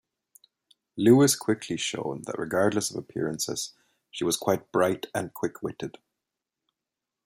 Lewis quickly showed that regardless of appearances, she was quite bright and quick-witted.